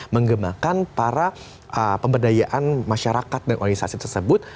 menggemakan para pemberdayaan masyarakat dan organisasi tersebut